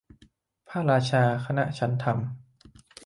พระราชาคณะชั้นธรรม